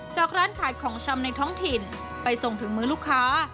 จากร้านขายของชำในท้องถิ่นไปส่งถึงมือลูกค้า